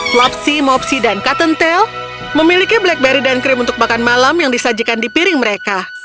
flopsy mopsi dan cottontel memiliki blackberry dan krim untuk makan malam yang disajikan di piring mereka